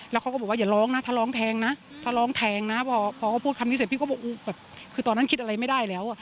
แล้วเขาก็บอกว่าอย่าร้องนะถ้าร้องแทงนะถ้าร้องแทงนะพอเขาพูดคำนี้เสร็จพี่ก็บอกแบบคือตอนนั้นคิดอะไรไม่ได้แล้ว